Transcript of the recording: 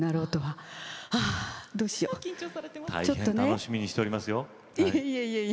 大変楽しみにしておりますよ。